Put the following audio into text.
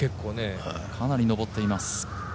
かなり登っています。